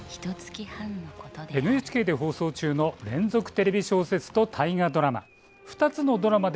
ＮＨＫで放送中の連続テレビ小説と大河ドラマ。